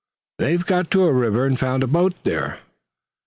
They've got to a river, and found a boat there.